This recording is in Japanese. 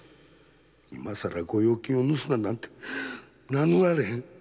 今さら御用金を盗んだなんて名乗られへん！